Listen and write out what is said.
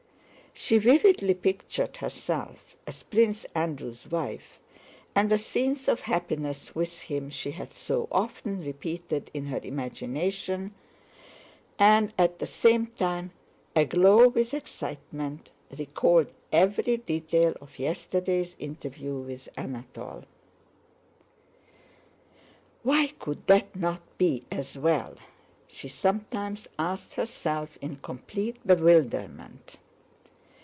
She vividly pictured herself as Prince Andrew's wife, and the scenes of happiness with him she had so often repeated in her imagination, and at the same time, aglow with excitement, recalled every detail of yesterday's interview with Anatole. "Why could that not be as well?" she sometimes asked herself in complete bewilderment.